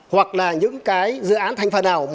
hoặc là những cái dự án thành phần nào